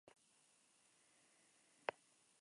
El lugar exacto del desembarco se discute.